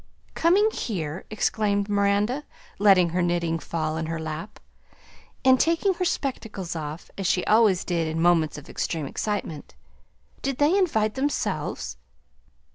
"Coming here!" exclaimed Miranda, letting her knitting fall in her lap, and taking her spectacles off, as she always did in moments of extreme excitement. "Did they invite themselves?"